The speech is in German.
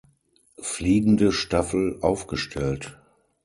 Fliegende Staffel aufgestellt.